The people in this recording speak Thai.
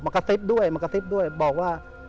มากระซิบด้วยบอกว่า